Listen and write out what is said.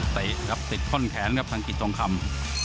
เต็กก็ติดค่อนแขนทางกินทองคำ